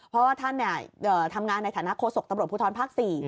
เพราะว่าท่านทำงานในฐานะโฆษกตำรวจภูทรภาค๔